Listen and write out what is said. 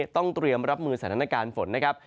ต้องเตรียมรับมือสถานการณ์ฝนนะครับ